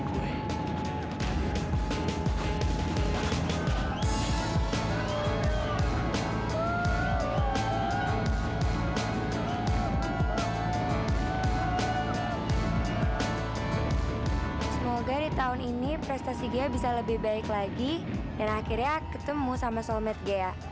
semoga di tahun ini prestasi gaya bisa lebih baik lagi dan akhirnya ketemu sama solmed gaya